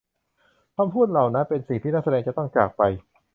คำพูดเหล่านั้นเป็นสิ่งที่นักแสดงจะต้องจากไป